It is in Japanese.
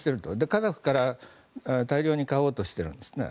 カザフから大量に買おうとしているんですね。